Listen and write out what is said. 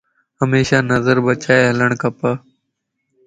ھميشا نظر بچائي ھلڻ کپ